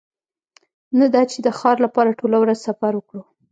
نه دا چې د ښار لپاره ټوله ورځ سفر وکړو